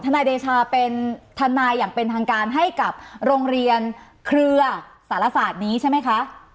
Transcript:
นายเดชาเป็นทนายอย่างเป็นทางการให้กับโรงเรียนเครือสารศาสตร์นี้ใช่ไหมคะ